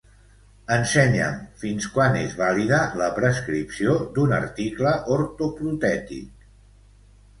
Ensenya'm fins quan és vàlida la prescripció d'un article ortoprotètic.